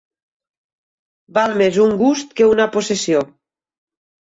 Val més un gust que una possessió.